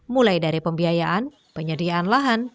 mulai dari pembiayaan penyediaan lahan